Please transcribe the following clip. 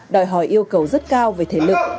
đòi hỏi yêu cầu rất cao về thể lực